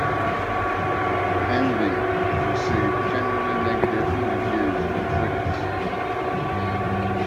"Envy" received generally negative reviews from critics.